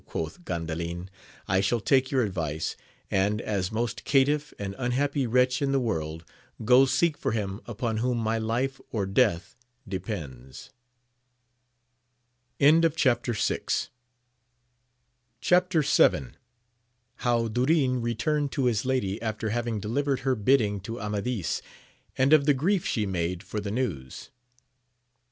quoth Gandalin. I shall take your advice : and, as most caitiff and un happy wretch in the world, go seek for him upon whom my life or death depends. Chap. VII. — How Durin returned to his lady after haying de livered her bidding to Amadis, and of the grief she made fov the news.